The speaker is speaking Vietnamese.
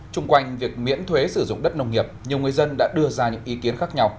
trung quanh việc miễn thuế sử dụng đất nông nghiệp nhiều người dân đã đưa ra những ý kiến khác nhau